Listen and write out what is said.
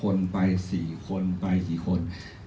คนไป๔คนไปกี่คน